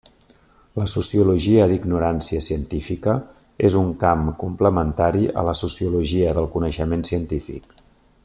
La sociologia d'ignorància científica és un camp complementari a la sociologia del coneixement científic.